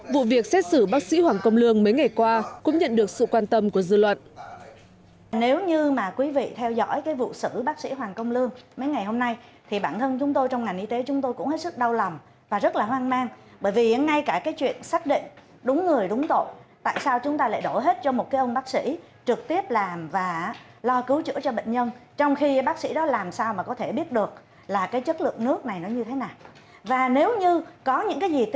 vụ việc xét xử bác sĩ hoàng công lương mấy ngày qua cũng nhận được sự quan tâm của dư luận